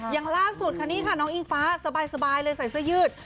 อย่างล่าสุดค่ะนี่ค่ะน้องอิงฟ้าสบายเลยใส่เสื้อยืด